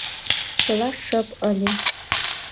Чыла шып ыле.